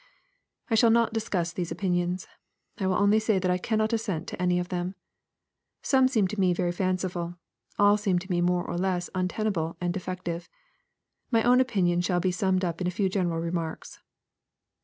I shall not discuss these opinions. I will only say that I cannot assent to any of them. Some seem to me very fanciful. All seem to me more or less untenable or defective. My own opinion shall be summed up in a few general remarks.